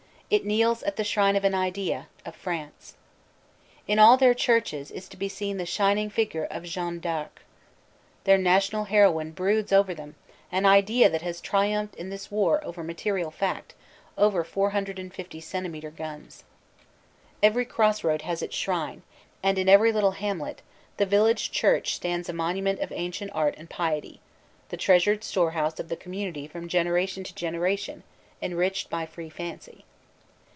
It kneels at the shrine of an idea, of France. In all their churches is to be seen the shining figure of Jeanne d Arc. Their national heroine broods over them, an idea that has triumphed in this war over material fact, over 450 centimetre guns. Every cross road has its shrine, and in every little hamlet the village church stands a monument of ancient art and piety, the treasured storehouse of the community from generation to generation, enriched by free fancy.